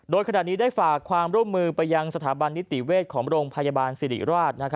โดยขณะนี้ได้ฝากความร่วมมือไปยังสถาบันนิติเวชของโรงพยาบาลสิริราช